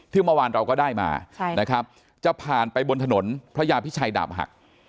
เมื่อวานเราก็ได้มานะครับจะผ่านไปบนถนนพระยาพิชัยดาบหัก